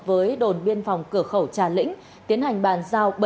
với đồn biên phòng cửa khẩu trà lĩnh tiến hành bàn giao